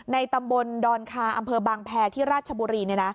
ตำบลดอนคาอำเภอบางแพรที่ราชบุรี